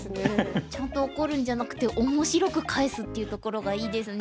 ちゃんと怒るんじゃなくて面白く返すっていうところがいいですね。